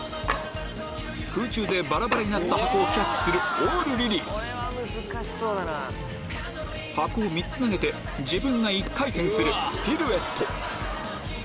空中でバラバラになった箱をキャッチするオールリリース箱を３つ投げて自分が１回転するピルエット